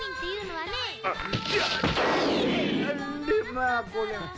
あれまあ、こりゃ。